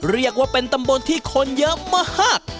เรียกว่าเป็นตำบลที่คนเยอะมาก